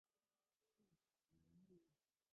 তিনি অবসর গ্রহণ করেন।